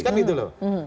kan gitu loh